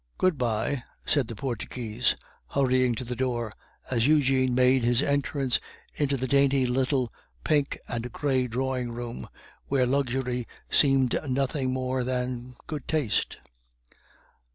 "Good bye," said the Portuguese, hurrying to the door, as Eugene made his entrance into a dainty little pink and gray drawing room, where luxury seemed nothing more than good taste.